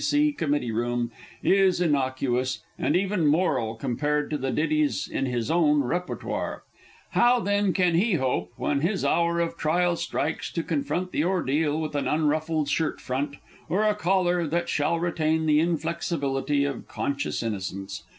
C. C. Committee Room, is innocuous, and even moral, compared to the ditties in his own répertoire. How, then, can he hope, when his hour of trial strikes, to confront the ordeal with an unruffled shirt front, or a collar that shall retain the inflexibility of conscious innocence?